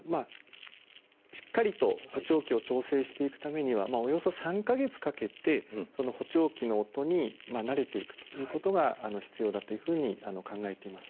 しっかりと補聴器を調整していくためにはおよそ３か月かけて補聴器の音に慣れていくということが必要だというふうに考えています。